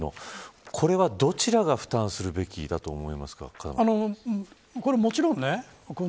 これはどちらが負担すべきだと風間さんは思いますか。